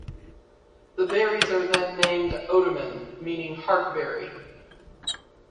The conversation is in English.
The berries are then named Odamin, meaning heart berry.